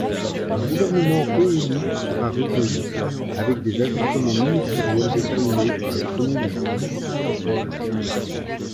Un gouvernement ré-élu sera reconduit, avec des ajustements ministériels déterminés par le Premier ministre.